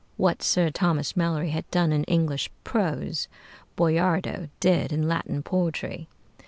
What Sir Thomas Malory had done in English prose, Boiardo did in Latin poetry.